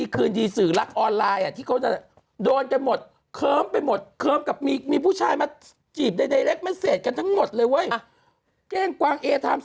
เขาไปดูสิสองคน